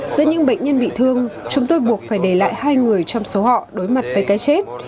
giữa những bệnh nhân bị thương chúng tôi buộc phải để lại hai người trong số họ đối mặt với cái chết